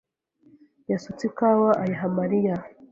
yasutse ikawa ayiha Mariya.